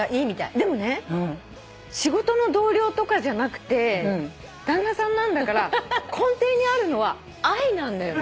でもね仕事の同僚とかじゃなくて旦那さんなんだから根底にあるのは愛なんだよね。